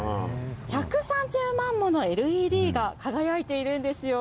１３０万ものＬＥＤが輝いているんですよ。